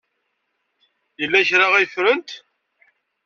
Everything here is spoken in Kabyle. Yella kra ay ffrent?